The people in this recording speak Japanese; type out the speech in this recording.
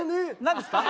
何ですか？